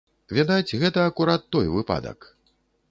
Відаць, гэта акурат той выпадак.